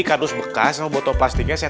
jangan bercanda sini